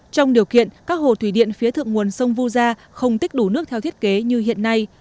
trong điều kiện các hồ thủy điện phía thượng nguồn sông vu gia không tích đủ nước theo thiết kế như hiện nay